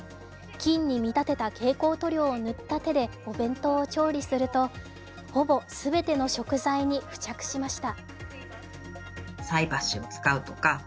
菌に見立てた蛍光塗料を塗った手でお弁当を調理するとほぼ全ての食材に付着しました。